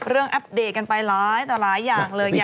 เรื่องอัปเดตกันไปหลายอย่างเลย